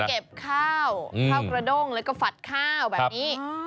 เก็บข้าวข้าวกระด้งแล้วก็ฝัดข้าวแบบนี้